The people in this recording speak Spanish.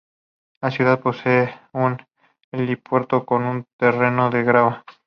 La ciudad posee un helipuerto con un terreno de grava.